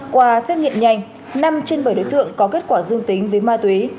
qua xét nghiệm nhanh năm trên bảy đối tượng có kết quả dương tính với ma túy